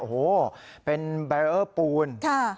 โอ้โหเป็นแบรเออร์ปูน